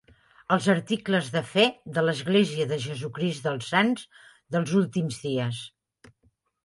Els Articles de Fe de l'Església de Jesucrist dels Sants dels Últims Dies.